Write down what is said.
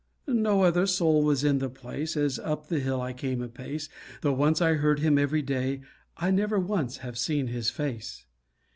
No other soul was in the place As up the hill I came apace; Though once I heard him every day, I never once have seen his face.